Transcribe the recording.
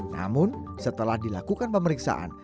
namun setelah dilakukan pemeriksaan